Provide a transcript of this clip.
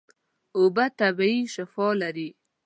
اوبه طبیعي شفاء لري.